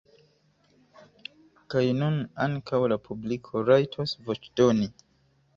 Kaj nun ankaŭ la publiko rajtos voĉdoni.